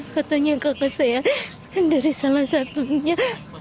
katanya kakak saya dari salah satunya